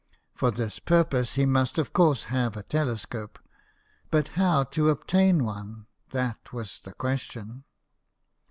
For this purpose he must of course have a telescope. But how to obtain one ? that was the question.